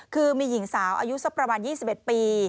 คือมีหญิงสาวอายุสักประมาณ๒๑ปี